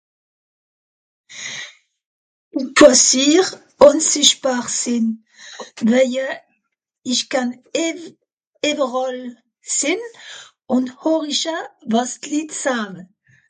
ich schwàsier unsichtbàr sìnn, waje, ich kann ìw...ìwweràl sìnn ùn horiche wàs d'Litt sawe.